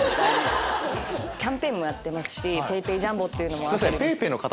キャンペーンもやってますしペイペイジャンボというのも。